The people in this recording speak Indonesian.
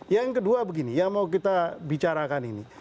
yang kedua begini yang mau kita bicarakan ini